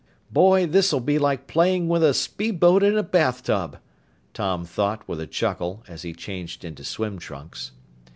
"Boy, this'll be like playing with a speedboat in a bathtub!" Tom thought with a chuckle as he changed into swim trunks.